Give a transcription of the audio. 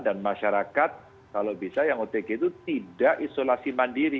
dan masyarakat kalau bisa yang otg itu tidak isolasi mandiri